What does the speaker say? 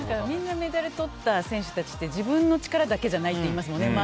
みんなメダルをとった選手たちって自分の力だけじゃないって言いますもんね。